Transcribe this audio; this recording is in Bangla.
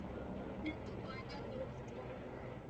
এত গয়নার লোভ তোর!